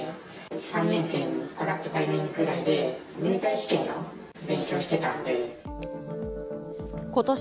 ３年生に上がったタイミングぐらいで入隊試験の勉強してたんで。